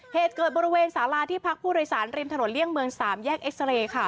เหตุเกิดบริเวณสาราที่พักผู้โดยสารริมถนนเลี่ยงเมือง๓แยกเอ็กซาเรย์ค่ะ